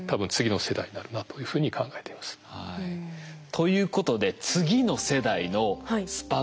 ということで次の世代のスパコン。